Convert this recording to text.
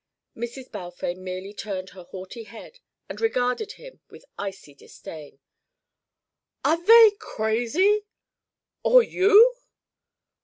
Mrs. Balfame merely turned her haughty head and regarded him with icy disdain. "Are they crazy? Or you?"